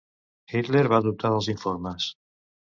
Hitler va dubtar dels informes.